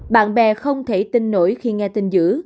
bạn bè không thể tin nổi khi nghe tin giữ